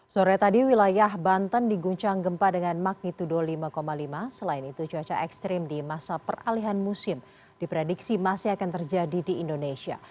sore tadi wilayah banten diguncang gempa dengan magnitudo lima lima selain itu cuaca ekstrim di masa peralihan musim diprediksi masih akan terjadi di indonesia